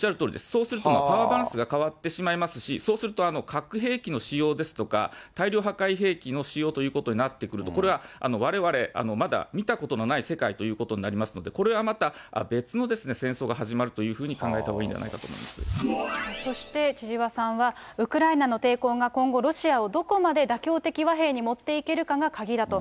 そうすると、パワーバランスが変わってしまいますし、そうすると、核兵器の使用ですとか、大量破壊兵器の使用ということになってくると、これはわれわれ、まだ見たことのない世界ということになりますので、これはまた、別の戦争が始まるというふうに考えたほうそして、千々和さんは、ウクライナの抵抗が今後、ロシアをどこまで妥協的和平に持っていけるかが鍵だと。